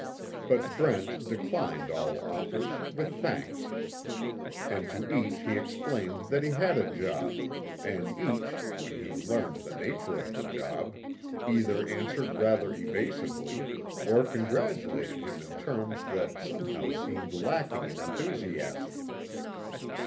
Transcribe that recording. But Brent declined all offers, with thanks. And to each he explained that he had a job, and each, when he learned the nature of the job, either answered rather evasively, or congratulated him in terms that somehow seemed lacking in enthusiasm.